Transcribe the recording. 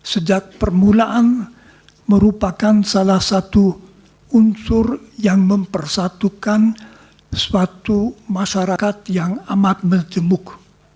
sejak permulaan merupakan salah satu unsur yang mempersatukan suatu masyarakat yang amat menjemuk